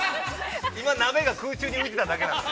鍋が空中に浮いてただけなんです